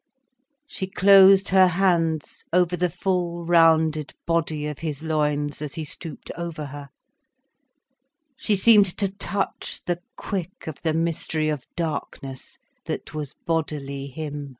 She closed her hands over the full, rounded body of his loins, as he stooped over her, she seemed to touch the quick of the mystery of darkness that was bodily him.